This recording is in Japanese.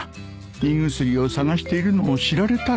胃薬を探しているのを知られたら